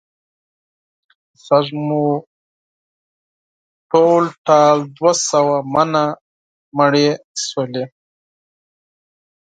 سږ مو ټول ټال دوه سوه منه مڼې شولې.